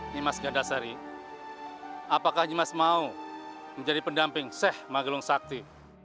nimas gaddasari apakah nimas mau menjadi pendamping seh magelung sakti